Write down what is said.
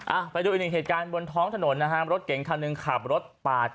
อ่ะไปดูอีกหนึ่งเหตุการณ์บนท้องถนนนะฮะรถเก๋งคันหนึ่งขับรถปาด